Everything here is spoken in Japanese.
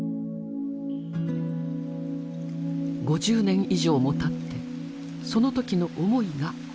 ５０年以上もたってその時の思いがわき上がります。